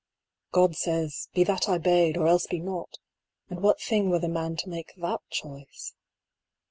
God says " Be that I bade, or else be nought," and what thing were the man to make that choice